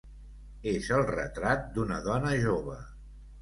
És el retrat d'una dona jove.